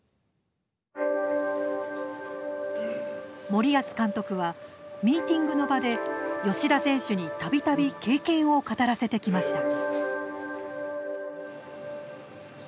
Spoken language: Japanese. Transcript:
森保監督はミーティングの場で吉田選手に度々経験を語らせてきました。